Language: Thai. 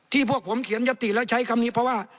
พวกผมเขียนยัตติแล้วใช้คำนี้เพราะว่า